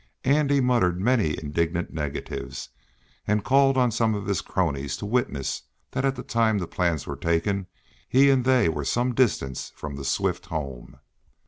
Andy muttered many indignant negatives, and called on some of his cronies to witness that at the time the plans were taken he and they were some distance from the Swift home.